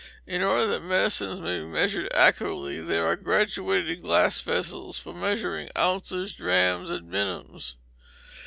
In order that Medicines may be measured Accurately, there are graduated glass vessels for measuring ounces, drachms, and minims.